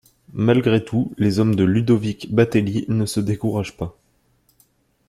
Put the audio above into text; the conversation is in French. Malgré tout les hommes de Ludovic Batelli ne se découragent pas.